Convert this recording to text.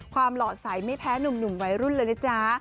หล่อใสไม่แพ้หนุ่มวัยรุ่นเลยนะจ๊ะ